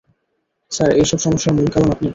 Sir, এই সব সমস্যার মূল কারণ আপনি।